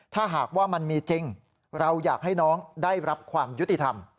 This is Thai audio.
ถ้าหากว่ามันมีจริงเราอยากให้น้องได้รับความยุติธรรม